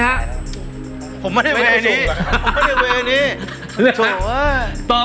เอาไหมฮะตอบอะ